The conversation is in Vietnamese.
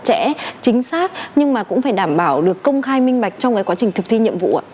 chẽ chính xác nhưng mà cũng phải đảm bảo được công khai minh bạch trong cái quá trình thực thi nhiệm vụ ạ